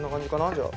じゃあ。